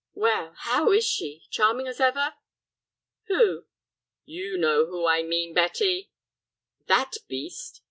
Well, how is she, charming as ever?" "Who?" "You know whom I mean, Betty?" "That beast?"